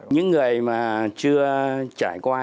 những người mà chưa trải qua